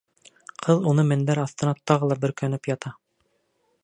Ҡыҙ уны мендәр аҫтына тыға ла бөркәнеп ята.